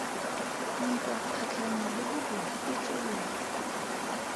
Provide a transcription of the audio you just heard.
Ntwa kgatlhanong le bobodu e tsweletse.